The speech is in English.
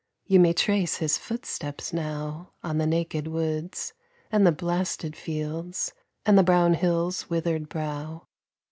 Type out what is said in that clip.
You may trace his footsteps now On the naked woods and the blasted fields, and the brown hill's withered brow.